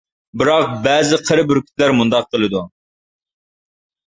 بىراق بەزى قېرى بۈركۈتلەر مۇنداق قىلىدۇ.